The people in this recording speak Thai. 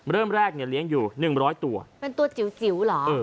เริ่มแรกเนี่ยเลี้ยงอยู่หนึ่งร้อยตัวเป็นตัวจิ๋วเหรอ